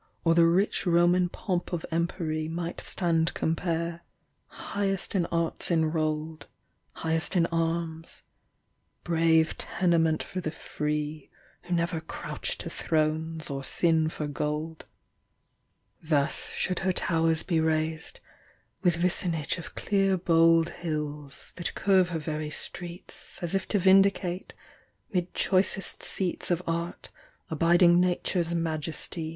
Or the rich Roman pomp of empery Might stand compare, highest in arts enroll'd, Highest in arms ; brave tenement for the free, Who never crouch to thrones, or sm for gold. Thus should her towers be raised — with vicinage Of clear bold liills, that curve her very streets, As if to vindicate, 'mid choicest seats Of art, abiding Nature's majesty.